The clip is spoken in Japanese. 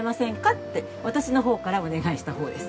って私の方からお願いした方です。